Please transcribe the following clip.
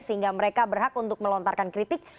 sehingga mereka berhak untuk melontarkan kritik